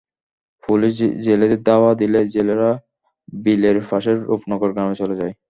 Police জেলেদের ধাওয়া দিলে জেলেরা বিলের পাশের রূপনগর গ্রামে চলে যায়।